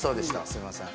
すいません